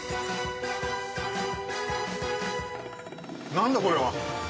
何だこれは！